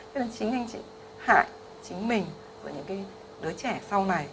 cho nên chính anh chị hại chính mình và những đứa trẻ sau này